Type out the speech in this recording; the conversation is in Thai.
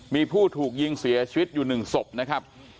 มีผู้ถูกยิงเสียชีวิตอยู่๑ศพนะครับ